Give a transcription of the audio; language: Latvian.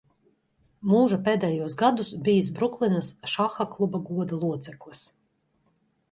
Mūža pēdējos gados bijis Bruklinas šaha kluba goda loceklis.